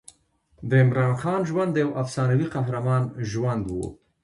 د عمراخان ژوند د یوه افسانوي قهرمان ژوند و.